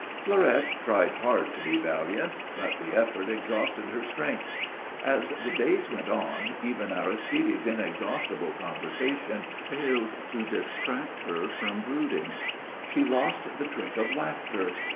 Fleurette tried hard to be valiant; but the effort exhausted her strength. As the days went on, even Aristide's inexhaustible conversation failed to distract her from brooding. She lost the trick of laughter.